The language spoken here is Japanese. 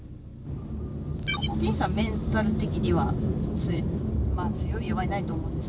ディーンさんメンタル的には強い弱いないと思うんですけどどうですか？